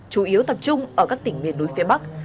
chủ yếu tập trung ở các tỉnh miền núi phía bắc